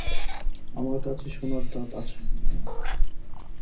আমার কাছে সোনার দাঁত আছে।